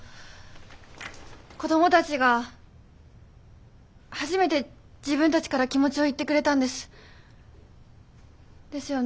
子供たちが初めて自分たちから気持ちを言ってくれたんです。ですよね？